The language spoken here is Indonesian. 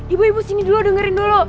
ibu ibu sini dulu dengerin dulu